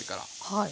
はい。